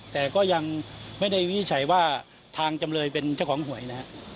แต่ก็ยังไม่ได้วินิจฉัยว่าทางจำเลยเป็นเจ้าของหวยนะครับ